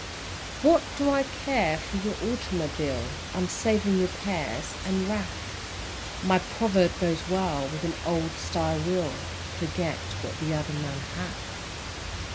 What do I care for your automobile? I'm saving repairs and wrath, My proverb goes well with an old style wheel; "Forget what the other man hath."